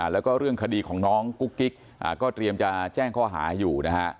แล้วก็เรื่องคดีของน้องกุ๊กกิ๊กก็เตรียมจะแจ้งข้อหาอยู่นะฮะ